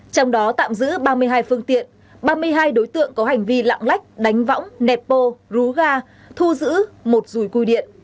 trong đó tạm giữ ba mươi hai phương tiện ba mươi hai đối tượng có hành vi lạng lách đánh võng nẹp bô rú ga thu giữ một rùi cui điện